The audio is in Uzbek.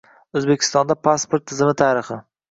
O‘zbekistonda pasport tizimi tarixi